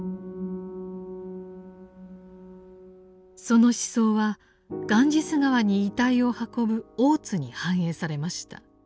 その思想はガンジス河に遺体を運ぶ大津に反映されました。